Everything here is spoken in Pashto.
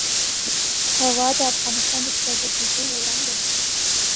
هوا د افغانستان د طبیعي پدیدو یو رنګ دی.